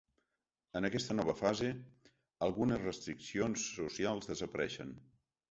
En aquesta nova fase, algunes restriccions socials desapareixen.